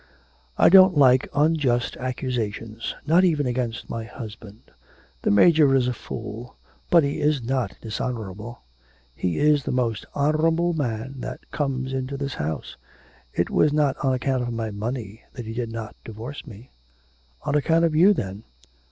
'I don't like unjust accusations, not even against my husband. The Major is a fool, but he is not dishonourable; he is the most honourable man that comes to this house. It was not on account of my money that he did not divorce me.' 'On account of you, then.'